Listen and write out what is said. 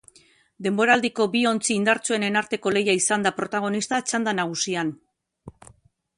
Denboraldiko bi ontzi indartsuenen arteko lehia izan da protagonista txanda nagusian.